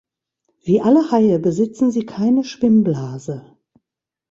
Wie alle Haie besitzen sie keine Schwimmblase.